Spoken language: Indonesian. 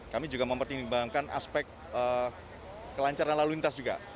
kami juga mempertimbangkan aspek kelancaran lalu lintas juga